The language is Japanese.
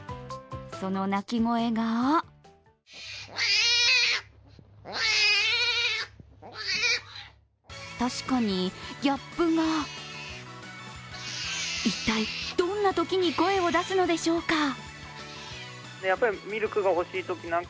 その鳴き声が確かにギャップが一体、どんなときに声を出すのでしょうか？